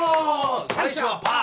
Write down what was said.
最初はパー！